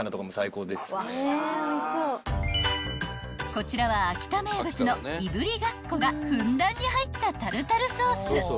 ［こちらは秋田名物のいぶりがっこがふんだんに入ったタルタルソース］